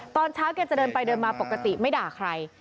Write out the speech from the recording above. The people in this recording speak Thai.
ตอนเช้าแกจะเดินไปเดินมาปกติไม่ด่าใคร